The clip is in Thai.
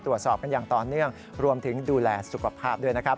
ตรวจสอบกันอย่างต่อเนื่องรวมถึงดูแลสุขภาพด้วยนะครับ